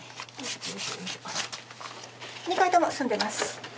２回とも済んでます。